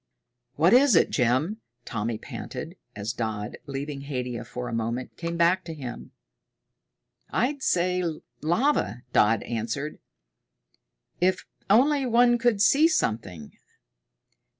"What is it, Jim?" Tommy panted, as Dodd, leaving Haidia for a moment, came back to him. "I'd say lava," Dodd answered. "If only one could see something!